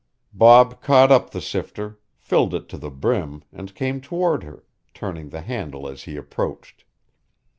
Bob caught up the sifter, filled it to the brim, and came toward her, turning the handle as he approached.